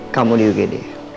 kamu di ugd